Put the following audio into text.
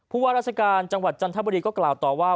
ว่าราชการจังหวัดจันทบุรีก็กล่าวต่อว่า